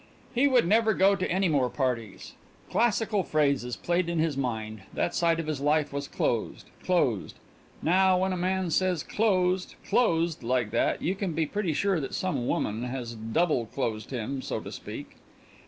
He would never go to any more parties. Classical phrases played in his mind that side of his life was closed, closed. Now when a man says "closed, closed" like that, you can be pretty sure that some woman has double closed him, so to speak.